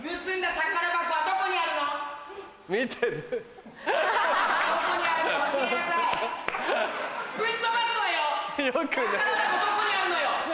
宝箱どこにあるのよ！